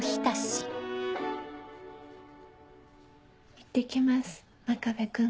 いってきます真壁くん。